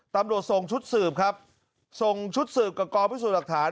ตำรวจส่งชุดสืบครับส่งชุดสืบกับกองพิสูจน์หลักฐาน